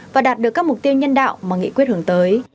và đạt được các mục tiêu nhân đạo mà nghị quyết hướng tới